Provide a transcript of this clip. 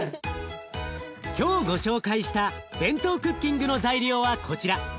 今日ご紹介したＢＥＮＴＯクッキングの材料はこちら。